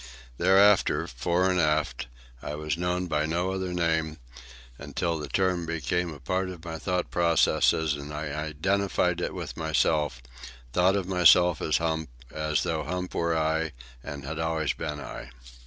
Thereafter, fore and aft, I was known by no other name, until the term became a part of my thought processes and I identified it with myself, thought of myself as Hump, as though Hump were I and had always been I.